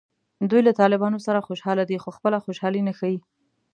دوی له طالبانو سره خوشحاله دي خو خپله خوشحالي نه ښیي